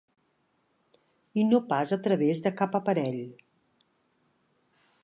I no pas a través de cap aparell.